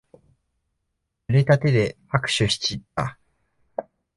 ぬれた手で握手しちった。